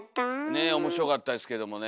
ねえ面白かったですけどもね。